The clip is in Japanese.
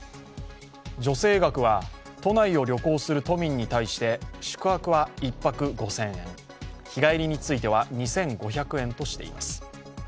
助成額は都内を旅行する都民に対して宿泊は１泊５０００円、日帰りについては２５００円としています。